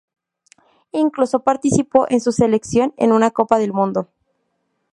Incluso participó con su selección, en una Copa del Mundo.